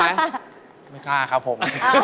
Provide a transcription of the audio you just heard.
ไม่กล้าครับผม